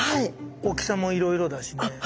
大きさもいろいろだしね。